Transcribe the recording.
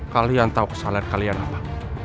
kalian tahu kesalahan kalian apa